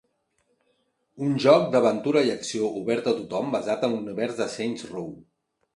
Un joc d'aventura i acció obert a tothom basat en l'univers de Saints Row.